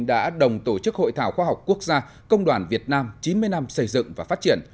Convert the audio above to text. đã đồng tổ chức hội thảo khoa học quốc gia công đoàn việt nam chín mươi năm xây dựng và phát triển